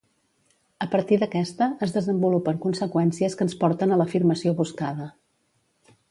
A partir d'aquesta, es desenvolupen conseqüències que ens porten a l'afirmació buscada.